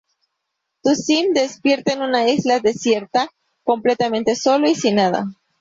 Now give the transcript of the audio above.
Tu Sim despierta en una isla desierta, completamente solo y sin nada.